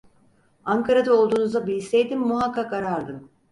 Ankara'da olduğunuzu bilseydim muhakkak arardım.